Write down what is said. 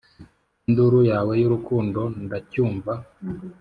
induru yawe y'urukundo ndacyumva,